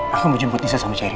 aku mau jemput nisa sama sherr